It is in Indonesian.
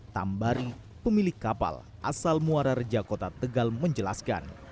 tambari pemilik kapal asal muara reja kota tegal menjelaskan